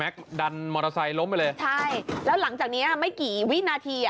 ดันมอเตอร์ไซค์ล้มไปเลยใช่แล้วหลังจากเนี้ยไม่กี่วินาทีอ่ะ